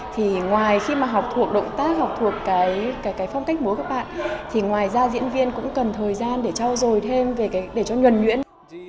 thì ngoài khi mà học thuộc động tác học thuộc cái phong cách bố các bạn thì ngoài ra diễn viên cũng cần thời gian để cho dồi thêm để cho nhuần nhuyễn